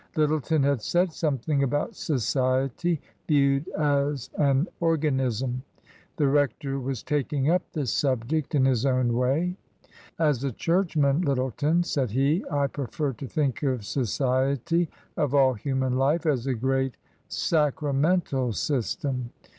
L3^eton had said something about society viewed as an organism. The rector was taking up the subject in his own way. " As a churchman, Lyttleton," said he, " I prefer to think of society — of all human life — as a great sacra mental system.